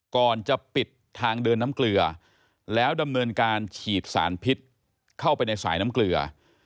ก่อนจะปิดทางเดินน้ำเกลือแล้วดำเนินการฉีดสารพิษเข้าไปในสายน้ำเกลือ